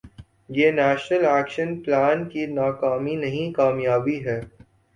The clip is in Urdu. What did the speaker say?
یہ نیشنل ایکشن پلان کی ناکامی نہیں، کامیابی ہے۔